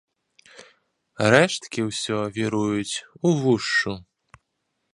Рэшткі ўсё віруюць увушшу.